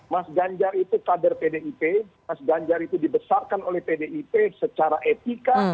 mas ganjar itu kader pdip mas ganjar itu dibesarkan oleh pdip secara etika